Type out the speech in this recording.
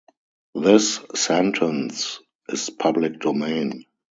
This sentence is public domain.